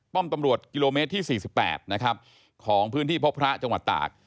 ป้อมตำรวจกิโลเมตรที่๔๘นะครับของพื้นที่พบพระจังหวัดตาก